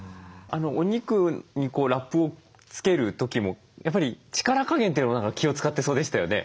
お肉にラップをつける時もやっぱり力加減というのも何か気を遣ってそうでしたよね？